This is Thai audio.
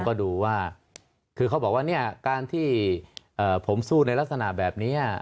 ก็ดูว่าคือเขาบอกว่าเนี่ยการที่ผมสู้ในลักษณะแบบนี้